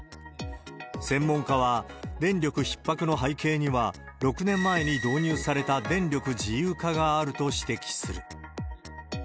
専門家は、電力ひっ迫の背景には６年前に導入された電力自由化があると指摘する。